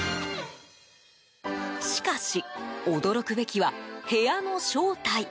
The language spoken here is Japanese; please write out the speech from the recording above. しかし、驚くべきは部屋の正体。